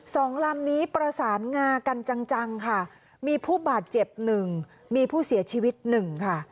สองลำนี้ประสานงากันจังจังค่ะมีผู้บาดเจ็บหนึ่งมีผู้เสียชีวิตหนึ่งค่ะ